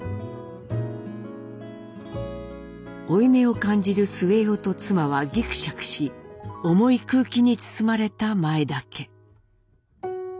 負い目を感じる末男と妻はぎくしゃくし重い空気に包まれた前田家。